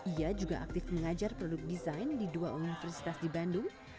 ia juga aktif mengajar produk desain di dua universitas di bandung